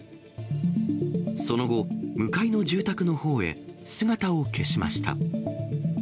その後、向かいの住宅のほうへ姿を消しました。